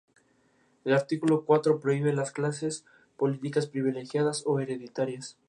Posteriormente, Almenar fue tomada y saqueada por el mismo Loris, y la iglesia, incendiada.